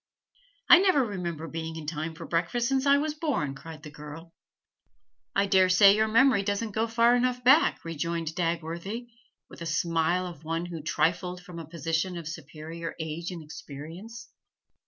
'I never remember being in time for breakfast since I was born,' cried the girl. 'I dare say your memory doesn't go far enough back,' rejoined Dagworthy, with the smile of one who trifled from a position of superior age and experience.